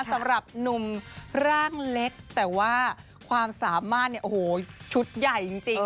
สำหรับหนุ่มร่างเล็กแต่ว่าความสามารถเนี่ยโอ้โหชุดใหญ่จริง